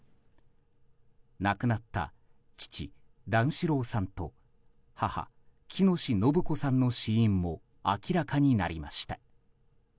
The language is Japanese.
亡くなった父・段四郎さんと母・喜熨斗延子さんの死因も明らかになりました。